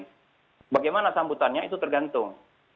jadi bagaimana sambutannya itu tergantung